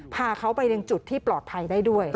พาเขาไปในจุดที่ปลอดภัยได้ด้วย